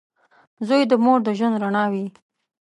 • زوی د مور د ژوند رڼا وي.